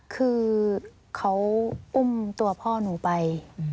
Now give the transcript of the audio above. คือเขาอุ้มตัวพ่อหนูไป